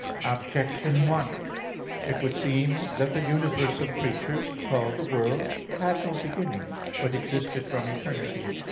Objection 1: It would seem that the universe of creatures, called the world, had no beginning, but existed from eternity.